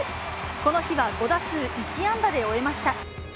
この日は５打数１安打で終えました。